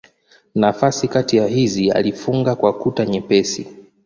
Nafasi kati ya hizi alifunga kwa kuta nyepesi.